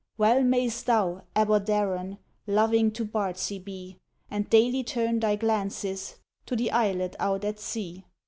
Well may'st thou, Aberdaron, Loving to Bardsey be, And daily turn thy glances To the Islet out at sea.